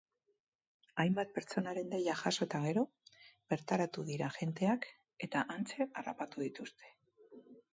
Hainbat pertsonaren deia jaso eta gero bertaratu dira agenteak eta hantxe harrapatu dituzte.